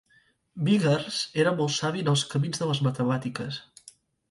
Biggers era molt savi en els camins de les matemàtiques.